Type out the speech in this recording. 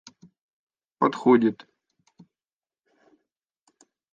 подходит